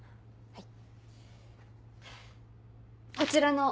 はい。